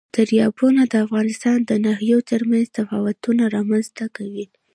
دریابونه د افغانستان د ناحیو ترمنځ تفاوتونه رامنځ ته کوي.